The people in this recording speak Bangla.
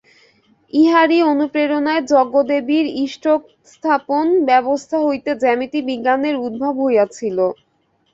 ইহারই অনুপ্রেরণায় যজ্ঞবেদীর ইষ্টকস্থাপন-ব্যবস্থা হইতে জ্যামিতি-বিজ্ঞানের উদ্ভব হইয়াছিল।